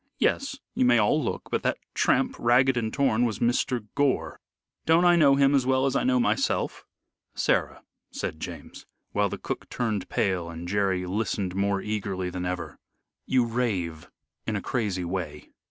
Yes, you may all look, but that tramp, ragged and torn, was Mr. Gore. Don't I know him as well as I know myself?" "Sarah," said James, while the cook turned pale and Jerry listened more eagerly than ever, "you rave in a crazy way."